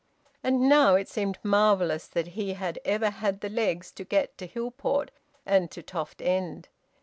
And now it seemed marvellous that he had ever had the legs to get to Hillport and to Toft End.